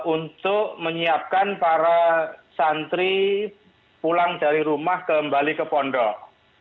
untuk menyiapkan para santri pulang dari rumah kembali ke pondok